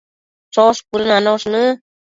Chosh cuëdënanosh në